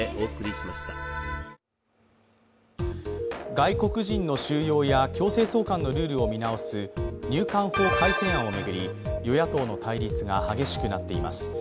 外国人の収容や強制送還のルールを見直す入管法改正案を巡り与野党の対立が激しくなっています。